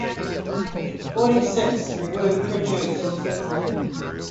Forty six were produced.